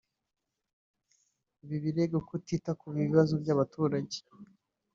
Ibi birego kutita ku bibazo by’abaturage